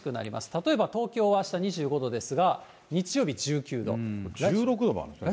例えば東京はあした２５度ですが、１６度もあるんですね。